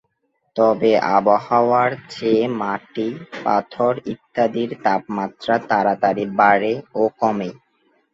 তবে আবহাওয়ার চেয়ে মাটি, পাথর ইত্যাদির তাপমাত্রা তাড়াতাড়ি বাড়ে ও কমে।